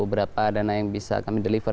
beberapa dana yang bisa kami deliver